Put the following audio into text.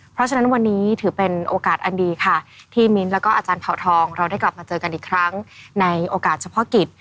เพราะฉะนั้นวันนี้ถือเป็นโอกาสอันดีค่ะที่มิ้นแล้วก็อาจารย์เผาทองเราได้กลับมาเจอกันอีกครั้งในโอกาสเฉพาะกิจ